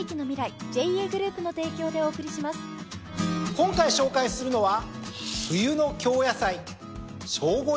今回紹介するのは冬の京野菜。